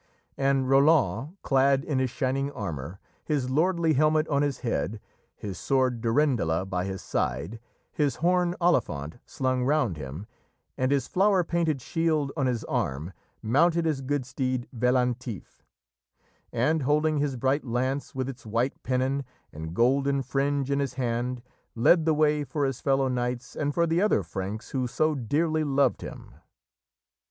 _" And Roland, clad in his shining armour, his lordly helmet on his head, his sword Durendala by his side, his horn Olifant slung round him, and his flower painted shield on his arm, mounted his good steed Veillantif, and, holding his bright lance with its white pennon and golden fringe in his hand, led the way for his fellow knights and for the other Franks who so dearly loved him.